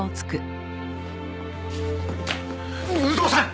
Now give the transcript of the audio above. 有働さん！